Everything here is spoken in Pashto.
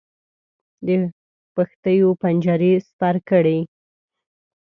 د پښتیو پنجرې سپر کړې.